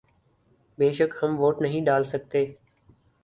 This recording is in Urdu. بے شک ہم ووٹ نہیں ڈال سکتے